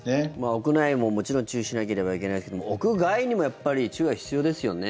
屋内ももちろん注意しなければいけないですが屋外にもやっぱり注意が必要ですよね。